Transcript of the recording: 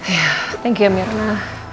ya terima kasih ya mirna